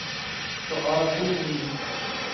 Tu araste nebûyî.